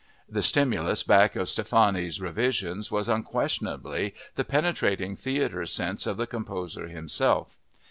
The stimulus back of Stephanie's revisions was unquestionably the penetrating theater sense of the composer himself.